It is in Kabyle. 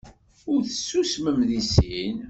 I tessusmem deg sin?